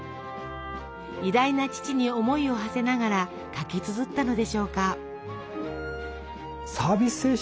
偉大な父に思いをはせながら書きつづったのでしょうか。